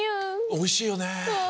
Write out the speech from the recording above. おいしいよね。